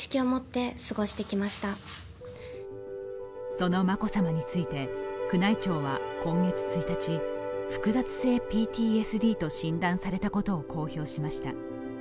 その眞子さまについて、宮内庁は今月１日、複雑性ＰＴＳＤと診断されたことを公表しました。